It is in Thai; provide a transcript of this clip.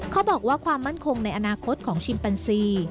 เขาบอกว่าความมั่นคงในอนาคตของชิมปันซี